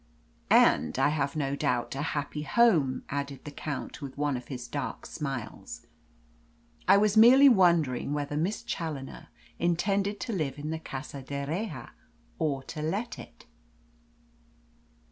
"And, I have no doubt, a happy home", added the Count, with one of his dark smiles. "I was merely wondering whether Miss Challoner intended to live in the Casa d'Erraha or to let it?"'